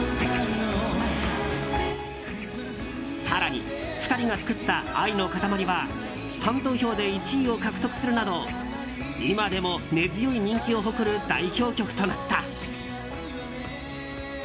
更に、２人が作った「愛のかたまり」はファン投票で１位を獲得するなど今でも根強い人気を誇る代表曲となった。